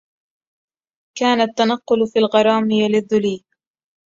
كان التنقل في الغرام يلذ لي